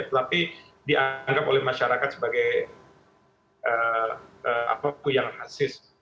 tetapi dianggap oleh masyarakat sebagai apa yang rasis